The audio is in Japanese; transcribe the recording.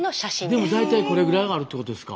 でも大体これぐらいがあるってことですか。